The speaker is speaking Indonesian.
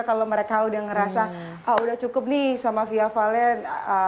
kalau mereka udah ngerasa ah udah cukup nih sama fia valen